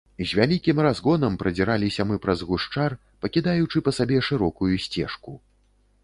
З вялікім разгонам прадзіраліся мы праз гушчар, пакідаючы па сабе шырокую сцежку.